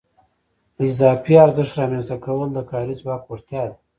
د اضافي ارزښت رامنځته کول د کاري ځواک وړتیا ده